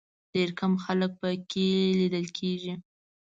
ډېر کم خلک په کې لیدل کېږي.